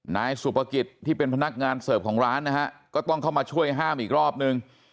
นายสุภกิจที่เป็นพนักงานเสิร์ฟของร้านนะฮะก็ต้องเข้ามาช่วยห้ามอีกรอบนึง